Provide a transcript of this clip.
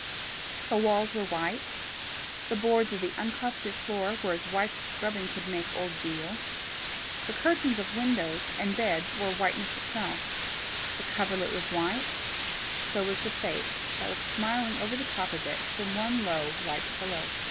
The walls were white; the boards of the uncarpeted floor were as white as scrubbing could make old deal; the curtains of windows and bed were whiteness itself; the coverlet was white; so was the face that looked smiling over the top of it from the one low white pillow.